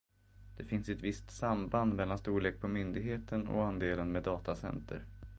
Det finns ett visst samband mellan storlek på myndigheten och andelen med datacenter.